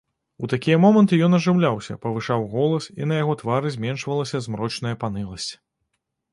У такія моманты ён ажыўляўся, павышаў голас, і на яго твары зменшвалася змрочная паныласць.